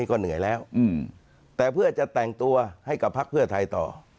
ก็เหนื่อยแล้วแต่เพื่อจะแต่งตัวให้กับพักเพื่อไทยต่อ